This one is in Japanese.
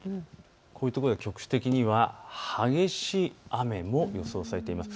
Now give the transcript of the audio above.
こういう所では局地的には激しい雨も予想されています。